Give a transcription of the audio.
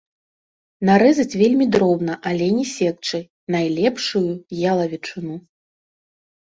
Нарэзаць вельмі дробна, але не секчы, найлепшую ялавічыну.